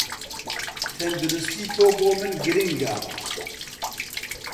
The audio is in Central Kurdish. تەندروستی تۆ بۆم گرینگە